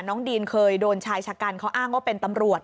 ดีนเคยโดนชายชะกันเขาอ้างว่าเป็นตำรวจ